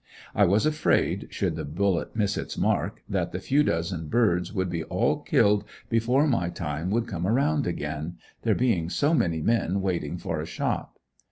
I was afraid, should the bullet miss its mark, that the few dozen birds would be all killed before my time would come around again, there being so many men waiting for a shot.